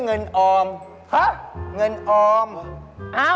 เงินเป็นรายตัว